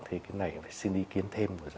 thì cái này phải xin ý kiến thêm của giáo sư cảnh